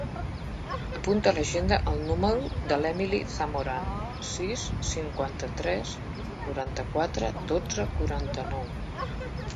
Apunta a l'agenda el número de l'Emily Zamorano: sis, cinquanta-tres, noranta-quatre, dotze, quaranta-nou.